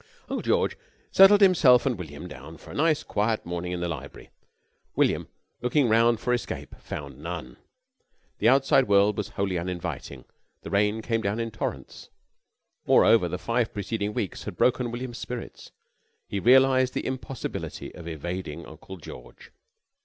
Uncle George settled himself and William down for a nice quiet morning in the library. William, looking round for escape, found none. The outside world was wholly uninviting. The rain came down in torrents. Moreover, the five preceding weeks had broken William's spirits. He realised the impossibility of evading Uncle George.